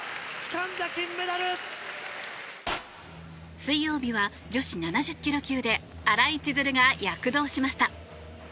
水曜日は女子７０ｋｇ級で新井千鶴が躍動しました。